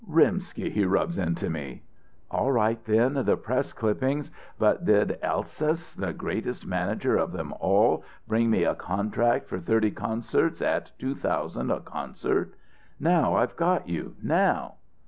Rimsky he rubs into me!" "All right then, the press clippings, but did Elsass, the greatest manager of them all, bring me a contract for thirty concerts at two thousand a concert? Now I've got you! Now!"